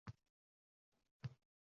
Qo’zg’almaymiz, yovuz, qonsiragan xun